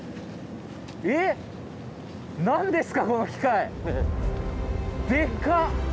えっ⁉何ですかこの機械⁉でか！